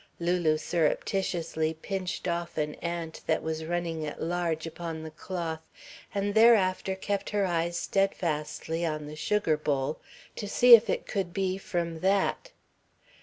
Lulu surreptitiously pinched off an ant that was running at large upon the cloth and thereafter kept her eyes steadfastly on the sugar bowl to see if it could be from that.